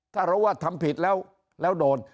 ถ้ารู้ว่าทำผิดแล้วแล้วโดน